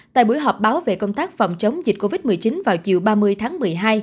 tại buổi họp báo về công tác phòng chống dịch covid một mươi chín vào chiều ba mươi tháng một mươi hai